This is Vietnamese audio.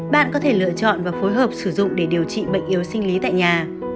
bạn có thể lựa chọn và phối hợp sử dụng để điều trị bệnh yếu sinh lý tại nhà